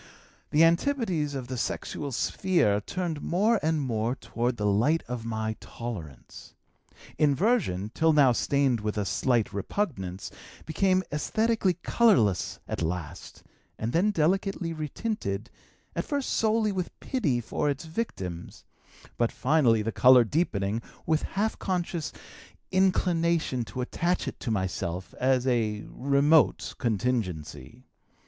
"The antipodes of the sexual sphere turned more and more toward the light of my tolerance. Inversion, till now stained with a slight repugnance, became esthetically colorless at last, and then delicately retinted, at first solely with pity for its victims, but finally, the color deepening, with half conscious inclination to attach it to myself as a remote contingency.